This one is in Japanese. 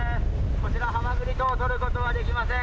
こちらハマグリ等、とることはできません。